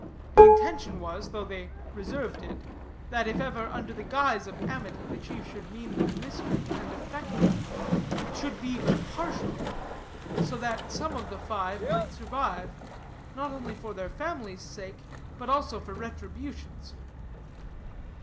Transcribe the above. The intention was, though they reserved it, that if ever, under the guise of amity, the chief should mean them mischief, and effect it, it should be but partially; so that some of the five might survive, not only for their families' sake, but also for retribution's.